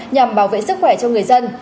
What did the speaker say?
nhằm bảo vệ sức khỏe cho người dân